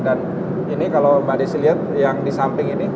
dan ini kalau mbak desi lihat yang di samping ini